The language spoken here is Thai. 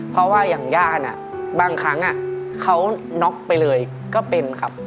เพราะว่าอย่างย่านบางครั้งเขาน็อกไปเลยก็เป็นครับ